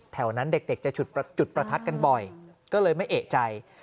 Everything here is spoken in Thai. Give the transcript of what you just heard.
แถวนั้นเด็กจะจุดประทัดกันบ่อยก็เลยไม่เอกใจ